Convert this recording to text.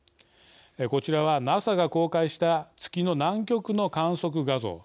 こちらはＮＡＳＡが公開した月の南極の観測画像。